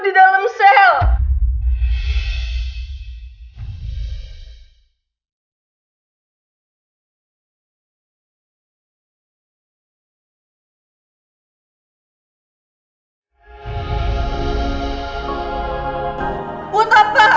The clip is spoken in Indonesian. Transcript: di dalam sel